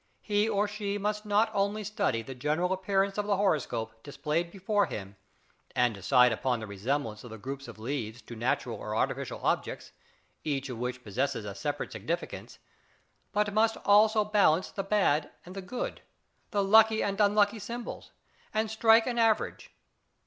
He or she must not only study the general appearance of the horoscope displayed before him, and decide upon the resemblance of the groups of leaves to natural or artificial objects, each of which possesses a separate significance, but must also balance the bad and good, the lucky and unlucky symbols, and strike an average.